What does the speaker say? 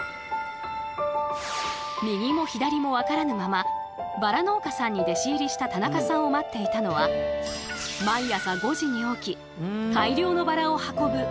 右も左も分からぬままバラ農家さんに弟子入りした田中さんを待っていたのは毎朝５時に起き大量のバラを運ぶ力仕事。